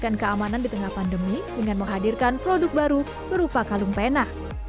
dan kebutuhan akan keamanan di tengah pandemi dengan menghadirkan produk baru berupa kalung pena